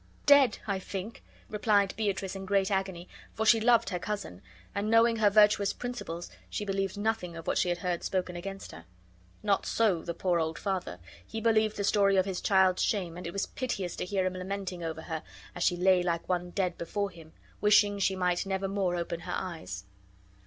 "Dead, I think," replied Beatrice, in great agony, for she loved her cousin; and, knowing her virtuous principles, she believed nothing of what she had heard spoken against her. Not so the poor old father. He believed the story of his child's shame, and it was piteous to hear him lamenting over her, as she lay like one dead before him, wishing she might never more open her eyes.